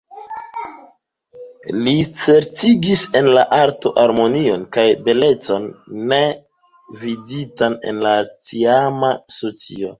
Li certigis en la arto harmonion kaj belecon, ne viditan en la tiama socio.